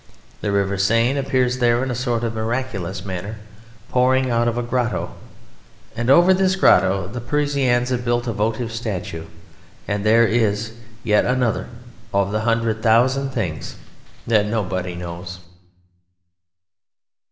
The River Seine appears there in a sort of miraculous manner, pouring out of a grotto, and over this grotto the Parisians have built a votive statue; and there is yet another of the hundred thousand things that nobody knows.